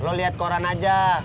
pur lo liat koran aja